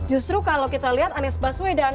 justru kalau kita lihat aneh sepasu ya